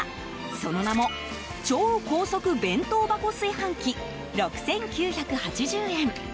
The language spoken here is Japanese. その名も超高速弁当箱炊飯器６９８０円。